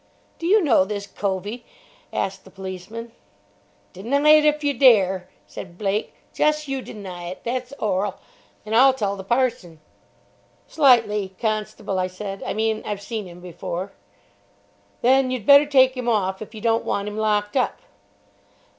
"Do you know this covey?" asked the policeman. "Deny it, if yer dare," said Blake. "Jus' you deny it, that's orl, an' I'll tell the parson." "Slightly, constable," I said. "I mean, I've seen him before." "Then you'd better take 'im off if you don't want 'im locked up."